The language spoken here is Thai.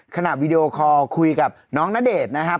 วีดีโอคอลคุยกับน้องณเดชน์นะครับ